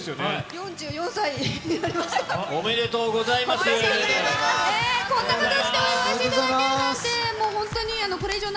４４歳になりました。